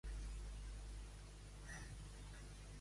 Francesc Oliveres va ser un polític nascut a Girona.